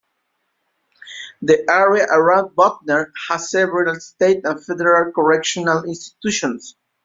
The area around Butner has several state and federal correctional institutions.